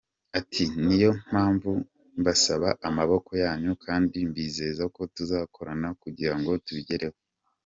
Ati “ Niyo mpamvu mbasaba amaboko yanyu kandi mbizeza ko tuzakorana kugira ngo tubigereho.